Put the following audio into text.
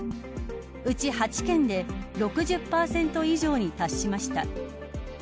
うち８県で６０％以上に達しました。